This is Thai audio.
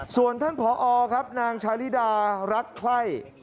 ส่วนท่านผอครับนางชาลิดารักไข้